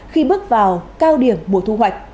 khi bước vào cao điểm bộ thu hoạch